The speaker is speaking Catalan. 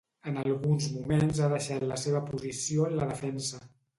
En alguns moments ha deixat la seva posició en la defensa.